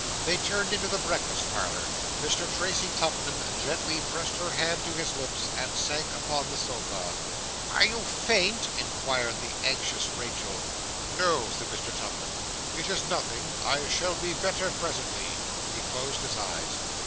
They turned into the breakfast parlour. Mr. Tracy Tupman gently pressed her hand to his lips, and sank upon the sofa. 'Are you faint?' inquired the anxious Rachael. 'No,' said Mr. Tupman. 'It is nothing. I shall be better presently.' He closed his eyes.